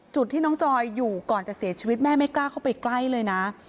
จุดที่น้องจอยอยู่ก่อนจะเสียชีวิตแม่ไม่กล้าเข้าไปใกล้เลยนะ